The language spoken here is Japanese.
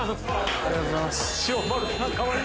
ありがとうございます。